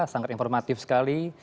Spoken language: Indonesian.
sangat informatif sekali